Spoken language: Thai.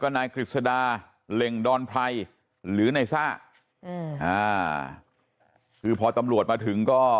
นายกฤษดาเหล่งดอนไพรหรือนายซ่าอืมอ่าคือพอตำรวจมาถึงก็